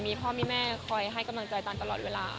มีพ่อมีแม่คอยให้กำลังใจตันตลอดเวลา